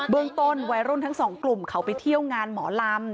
เมืองต้นวัยรุ่นทั้งสองกลุ่มเขาไปเที่ยวงานหมอลำ